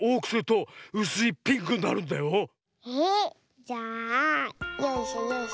じゃあよいしょよいしょ。